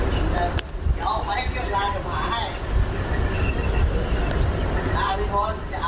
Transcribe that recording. ถ้วีรสเทเลยเนื้อหน่อยนะกราแกะขวาละนี่วะไปได้ครับ